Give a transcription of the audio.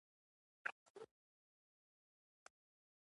د بل خبرې نه اوري.